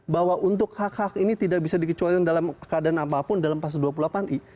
bahwa untuk hak hak ini tidak bisa dikecualikan dalam keadaan apapun dalam pasal dua puluh delapan i